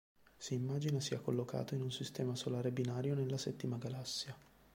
Si immagina sia collocato in un sistema solare binario nella Settima Galassia.